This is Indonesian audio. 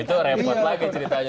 itu repot lagi ceritanya